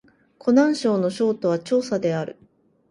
湖南省の省都は長沙である